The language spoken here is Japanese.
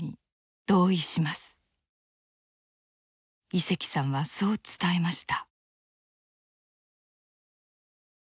井関さんはそう伝えました。